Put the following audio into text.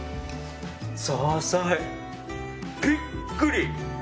ザーサイびっくり！